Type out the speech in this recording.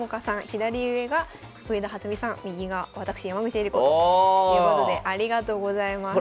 左上が上田初美さん右が私山口恵梨子ということでありがとうございます。